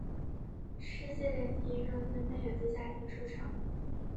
世纪莲体育中心配有地下停车场。